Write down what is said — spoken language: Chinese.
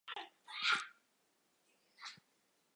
祖父杨子安。